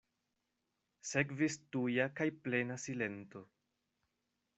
Sekvis tuja kaj plena silento.